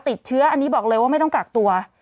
ติดเชื้ออันนี้บอกเลยว่าไม่ต้องกักตัว